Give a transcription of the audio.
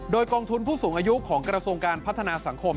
โดยกองทุนผู้สูงอายุของกระทรวงการพัฒนาสังคม